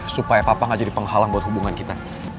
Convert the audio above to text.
supaya papa gak jadi penghalang buat hubungan kita